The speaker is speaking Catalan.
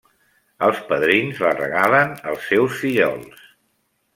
Els padrins la regalen als seus fillols.